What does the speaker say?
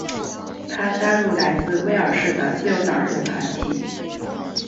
他加入来自威尔士的自由党人的团体。